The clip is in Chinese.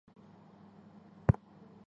殿试登进士第二甲第八十二名。